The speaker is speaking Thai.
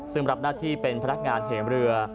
ซึ่งรับหน้าที่เป็นพนักงานเหมเรือ